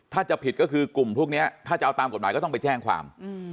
ถ้าจะผิดก็คือกลุ่มพวกนี้ถ้าจะเอาตามกฎหมายก็ต้องไปแจ้งความ